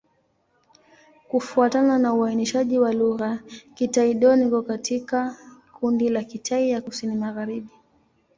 Kufuatana na uainishaji wa lugha, Kitai-Dón iko katika kundi la Kitai ya Kusini-Magharibi.